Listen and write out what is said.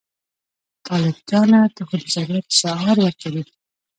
طالب جانه ته خو د شریعت شعار ورکوې.